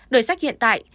đời sách hiện tại